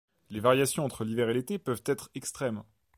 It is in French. Les variations entre l'hiver et l'été peuvent être extrêmes.